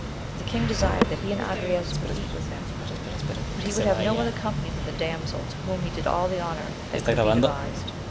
The king desired that he and Agrayes would eat with him, but he would have no other company than the damsel, to whom he did all the honour that could be devised.